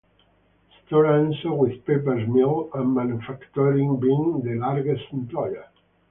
Stora Enso with paper mill and manufacturing being the largest employer.